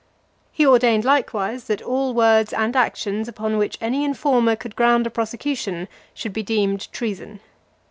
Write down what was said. He ordained likewise, that all words and actions, upon which any informer could ground a prosecution, should be deemed treason.